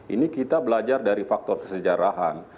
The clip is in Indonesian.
ini kita belajar dari faktor kesejarahan